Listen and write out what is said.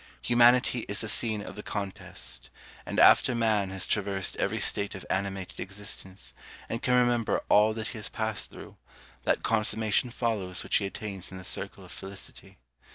Humanity is the scene of the contest; and after man has traversed every state of animated existence, and can remember all that he has passed through, that consummation follows which he attains in the circle of felicity.